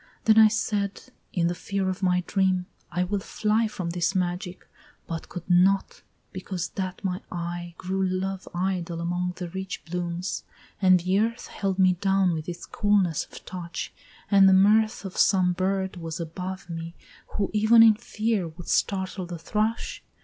Then I said, in the fear of my dream, I will fly From this magic, but could not, because that my eye Grew love idle among the rich blooms; and the earth Held me down with its coolness of touch, and the mirth Of some bird was above me, who, even in fear, Would startle the thrush?